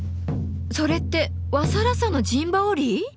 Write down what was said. それって和更紗の陣羽織？